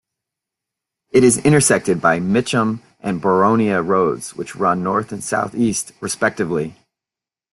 It is intersected by Mitcham and Boronia Roads, which run north and south-east respectively.